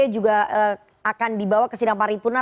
juga akan dibawa ke sidang paripurna